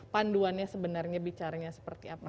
panduannya sebenarnya bicaranya seperti apa